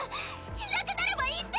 いなくなればいいって